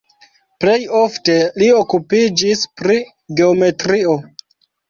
Plej ofte li okupiĝis pri geometrio.